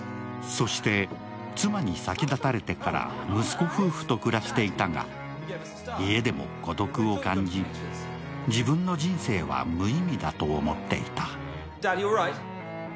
そして妻に先立たれてから息子夫婦と暮らしていたが家でも孤独を感じ、自分の人生は無意味だと思っていた。